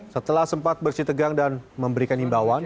setelah sempat bersih tegang dan memberikan himbauan